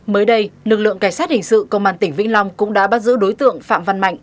mới đây lực lượng cảnh sát hình sự công an tỉnh vĩnh long cũng đã bắt giữ đối tượng phạm văn mạnh